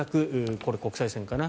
これは国際線かな